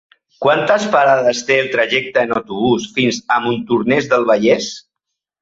Quantes parades té el trajecte en autobús fins a Montornès del Vallès?